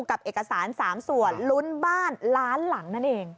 กับเอกสาร๓ส่วนลุ้นบ้านล้านหลังนั่นเอง